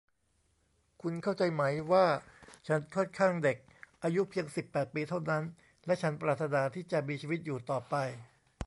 คุณเข้าใจไหมว่าฉันค่อนข้างเด็ก อายุเพียงสิบแปดปีเท่านั้น และฉันปรารถนาที่จะมีชีวิตอยู่ต่อไป